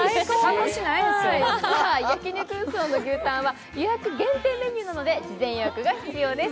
焼肉ＵＳＯＮの牛タンは予約限定メニューなので事前予約が必要です。